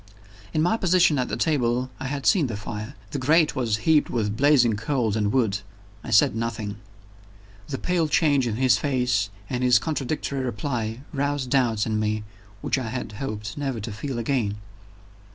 In my position at the table, I had seen the fire: the grate was heaped with blazing coals and wood. I said nothing. The pale change in his face, and his contradictory reply, roused doubts in me which I had hoped never to feel again.